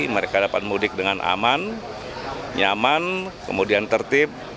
mereka dapat mudik dengan aman nyaman kemudian tertib